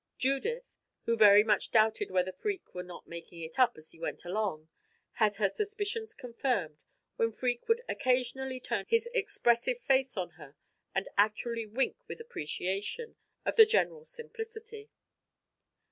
Judith, who very much doubted whether Freke were not making it up as he went along, had her suspicions confirmed when Freke would occasionally turn his expressive face on her and actually wink with appreciation of the general's simplicity.